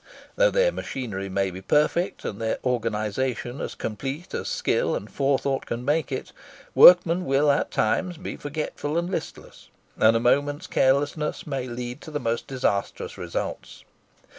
Though their machinery may be perfect and their organisation as complete as skill and forethought can make it, workmen will at times be forgetful and listless; and a moment's carelessness may lead to the most disastrous results.